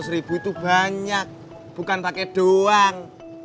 lima ratus ribu itu banyak bukan pake doang